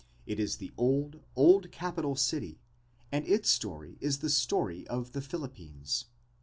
It is the old, old capital city and its story is the story of the Philippines.